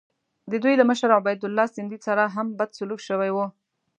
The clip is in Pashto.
د دوی له مشر عبیدالله سندي سره هم بد سلوک شوی وو.